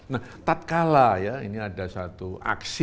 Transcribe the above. nah tak kalah ya ini ada satu aksi